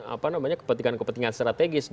apa namanya kepentingan strategis